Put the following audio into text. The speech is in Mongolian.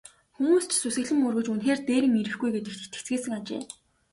Хүмүүс ч сүсэглэн мөргөж үнэхээр дээрэм ирэхгүй гэдэгт итгэцгээсэн ажээ.